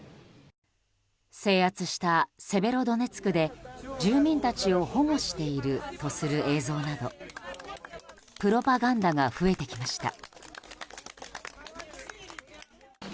制圧したセベロドネツクで住民たちを保護しているとする映像などプロパガンダが増えてきました。